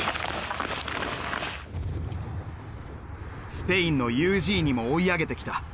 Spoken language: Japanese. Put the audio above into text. スペインのユージーニも追い上げてきた。